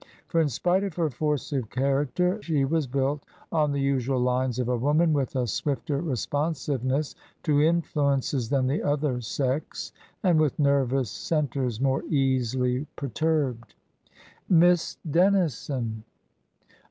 For, in spite of her force of character, she was built on the usual lines of a woman, with a swifter responsiveness to influences than the other sex and with nervous centres more easily perturbed. " Miss Dennison